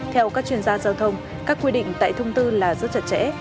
theo các chuyên gia giao thông các quy định tại thông tư là rất chặt chẽ